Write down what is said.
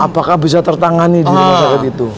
apakah bisa tertangani di rumah sakit itu